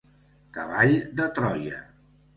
Cavall de Troia.